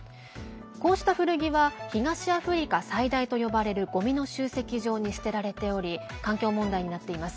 こうした古着は東アフリカ最大と呼ばれるごみの集積場に捨てられており環境問題になっています。